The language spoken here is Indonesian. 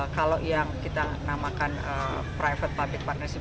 kalau yang kita namakan private public partnership